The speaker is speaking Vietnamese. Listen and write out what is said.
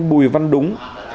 bùi văn đúng